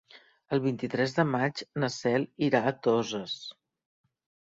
El vint-i-tres de maig na Cel irà a Toses.